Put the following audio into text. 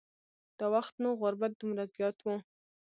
دا وخت نو غربت دومره زیات و.